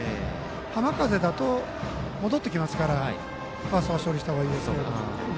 浜風だと戻ってきますからファーストが処理した方がいいですけど。